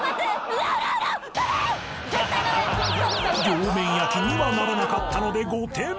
［両面焼きにはならなかったので］